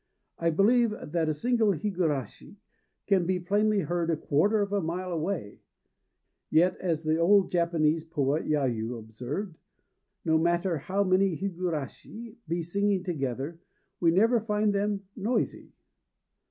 I believe that a single higurashi can be plainly heard a quarter of a mile away; yet, as the old Japanese poet Yayû observed, "no matter how many higurashi be singing together, we never find them noisy."